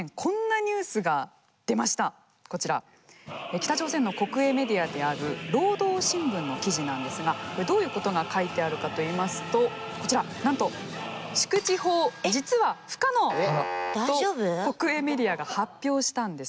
北朝鮮の国営メディアである労働新聞の記事なんですがこれどういうことが書いてあるかといいますとこちらなんと「縮地法実は不可能」と国営メディアが発表したんです。